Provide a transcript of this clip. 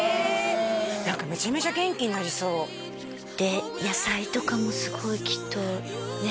何かめちゃめちゃ元気になりそうで野菜とかもすごいきっとね